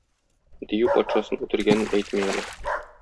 Дию патшасын үтергәнен әйтми әле.